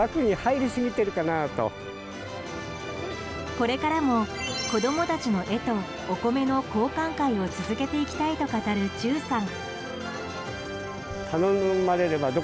これからも、子供たちの絵とお米の交換会を続けていきたいと語る忠さん。